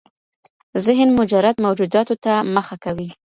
ذهن مجرد موجوداتو ته مخه کوي.